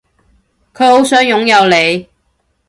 佢好想擁有你